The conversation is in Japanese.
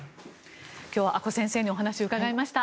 今日は阿古先生にお話を伺いました。